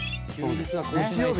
日曜日